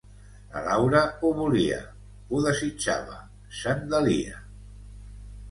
La Laura, ho volia, ho desitjava, se'n delia.